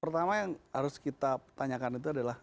pertama yang harus kita tanyakan itu adalah